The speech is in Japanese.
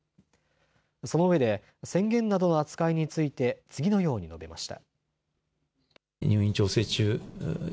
そのうえで宣言などの扱いについて次のように述べました。